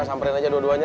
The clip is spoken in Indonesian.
sampain aja dua duanya